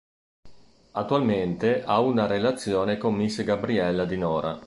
Attualmente ha una relazione con Miss Gabriella di Nora.